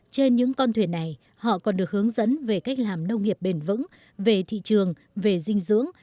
trên những con thuyền này họ còn được hướng dẫn về cách làm nông nghiệp bền vững về thị trường về dinh dưỡng